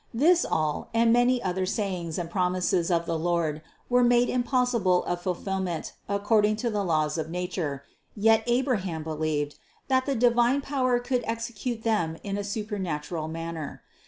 This all, and many other sayings and promises of the Lord were made impossible of fulfillment according to the laws of nature, yet Abraham believed, that the di vine power could execute them in a supernatural manner.